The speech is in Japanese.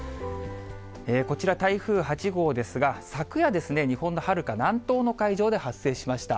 こちら、台風８号ですが、昨夜ですね、日本のはるか南東の海上で発生しました。